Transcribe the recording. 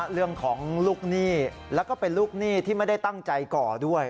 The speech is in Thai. เรื่องของลูกหนี้แล้วก็เป็นลูกหนี้ที่ไม่ได้ตั้งใจก่อด้วย